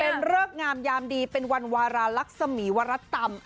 เป็นเลิกงามยามดีวันวารารักษะหมี่วันเต็ม